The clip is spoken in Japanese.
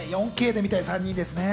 ４Ｋで見たい３人ですね。